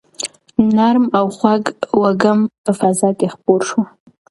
نرم او خوږ وږم په فضا کې خپور شو.